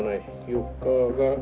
４日が。